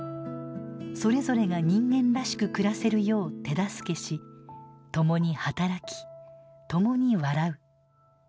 それぞれが人間らしく暮らせるよう手助けし共に働き共に笑う。